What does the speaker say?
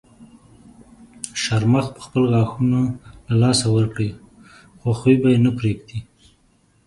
شرمښ به خپل غاښونه له لاسه ورکړي خو خوی به یې نه پرېږدي.